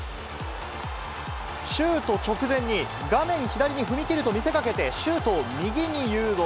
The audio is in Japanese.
シュート直前に、画面左に踏み切ると見せかけてシュートを右に誘導。